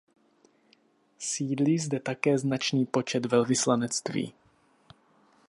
Sídlí zde také značný počet velvyslanectví.